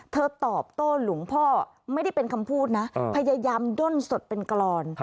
ตอบโต้หลวงพ่อไม่ได้เป็นคำพูดนะพยายามด้นสดเป็นกรอน